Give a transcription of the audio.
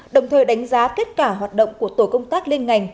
đồng thời đánh giá kết quả hoạt động của tổ công tác liên ngành